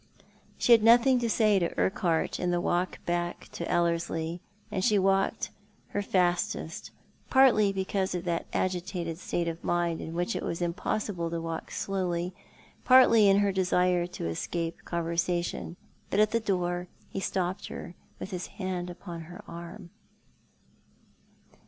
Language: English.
She had nothing to say to Urquhart in the walk back to Ellerslie, and she walked her fastest, partly because of that agitated state of mind in which it was impossible to walk slowly, partly in her desire to escape conversation ; but at the door he stopped her, with his hand upon her arm.